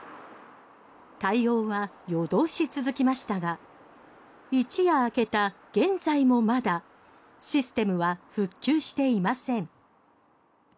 対応は夜通し続きましたが一夜明けた現在もまだシステムは復旧していません。